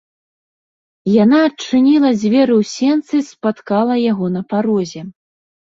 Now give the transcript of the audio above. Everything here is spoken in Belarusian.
Яна адчыніла дзверы ў сенцы і спаткала яго на парозе.